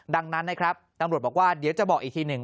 ดังนั้นนะครับตำรวจบอกว่าเดี๋ยวจะบอกอีกทีหนึ่ง